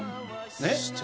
ねっ。